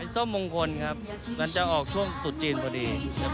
ส้มมงคลครับมันจะออกช่วงตุดจีนพอดี